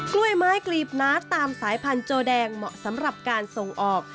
กล้วยไม้กลีบน้าตามสายพันธุโจแดงเหมาะสำหรับการส่งออก